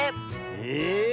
え⁉